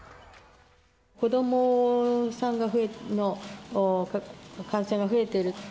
子どもさんの感染が増えている。